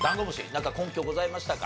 なんか根拠ございましたか？